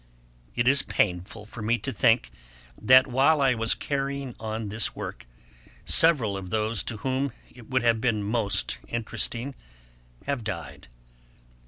It is painful to me to think, that while I was carrying on this Work, several of those to whom it would have been most interesting have died.